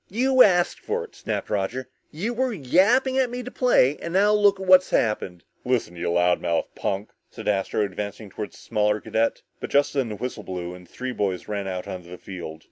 "You asked for it," snapped Roger, "you were yapping at me to play, and now look what's happened!" "Listen, you loudmouthed punk!" said Astro, advancing toward the smaller cadet, but just then the whistle blew and the three boys ran out onto the field.